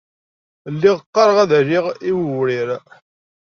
Lliɣ qqareɣ ad aliɣ l wewrir.